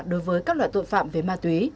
đối với các loại tội phạm về ma túy